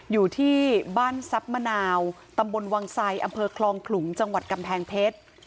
อยู่ที่บ้านทรัพย์มะนาวตำบลวังไซอำเภอคลองขลุงจังหวัดกำแพงเพชร